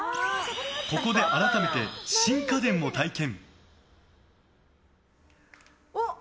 ここで改めて新家電を体験。